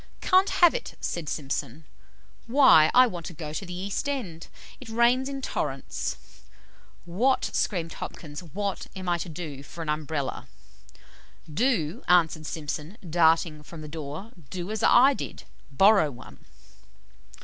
'Can't have it,' said Simpson. 'Why, I want to go to the East end; it rains in torrents; what' screamed Hopkins 'what am I to do for an Umbrella?' "'Do!' answered Simpson, darting from the door, 'do as I did BORROW ONE.'"